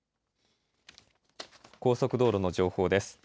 高速道路の情報です。